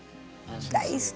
大好き！